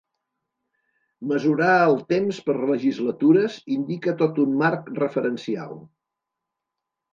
Mesurar el temps per legislatures indica tot un marc referencial.